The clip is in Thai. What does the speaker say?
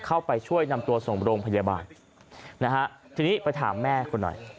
เข้าไปช่วยนำตัวส่งโรงพยาบาลนะฮะทีนี้ไปถามแม่คุณหน่อย